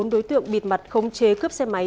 bốn đối tượng bịt mặt khống chế cướp xe máy